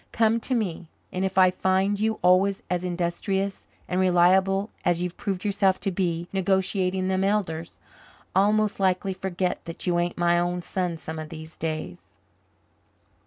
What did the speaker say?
Come to me and if I find you always as industrious and reliable as you've proved yourself to be negotiating them elders, I'll most likely forget that you ain't my own son some of these days."